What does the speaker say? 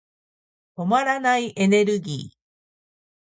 止まらないエネルギー。